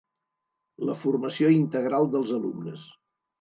La formació integral dels alumnes.